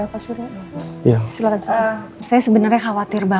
ma kenapa sih ma